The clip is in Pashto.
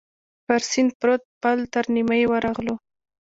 پر سیند پروت پل تر نیمايي ورغلو.